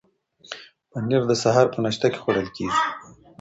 پنیر د سهار په ناشته کې خوړل کیږي.